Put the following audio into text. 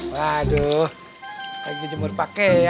waduh kayak gitu jemur pake ya